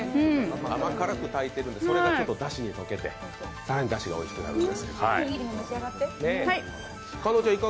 甘辛く炊いてるので、それがだしに溶けて、さらにだしがおいしくなるんです。